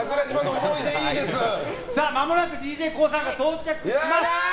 まもなくＤＪＫＯＯさんが到着します。